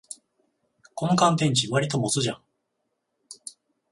この乾電池、わりと持つじゃん